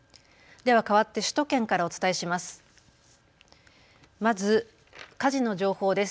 ではかわって首都圏からお伝えします。